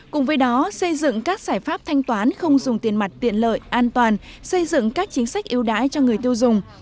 cùng với đó xây dựng các giải pháp thanh toán không dùng tiền mặt tiện lợi an toàn xây dựng các chính sách yêu đãi cho người tiêu dùng